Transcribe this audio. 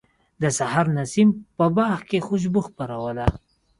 د سحر نسیم په باغ کې خوشبو خپروله.